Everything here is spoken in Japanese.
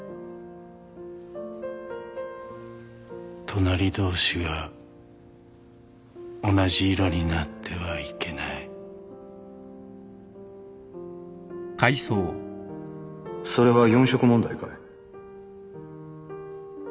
隣同士が同じ色になってはいけないそれは４色問題かい？